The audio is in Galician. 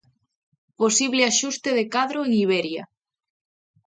Posible axuste de cadro en Iberia